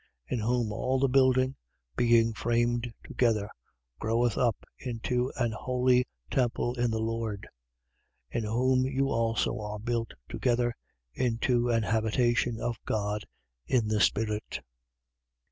In whom all the building, being framed together, groweth up into an holy temple in the Lord. 2:22. In whom you also are built together into an habitation of God in the Spirit.